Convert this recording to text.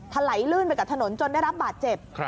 ถลายลื่นไปกับถนนจนได้รับบาดเจ็บ